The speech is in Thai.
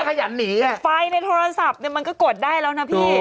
ปกติไฟในโทรศัพท์มันก็กดได้แล้วน่ะพี่